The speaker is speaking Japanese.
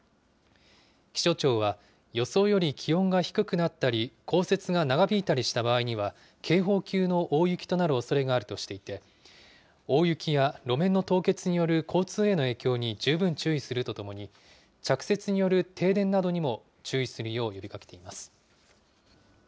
気象庁は、予想より気温が低くなったり、降雪が長引いたりした場合には、警報級の大雪となるおそれがあるとしていて、大雪や路面の凍結による交通への影響に十分注意するとともに、着雪による停電などにも注意するよう呼びかけています。